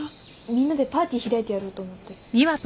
みんなでパーティー開いてやろうと思って。